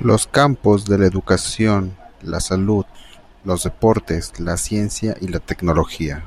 Los campos de la educación, la salud, los deportes, la ciencia y la tecnología.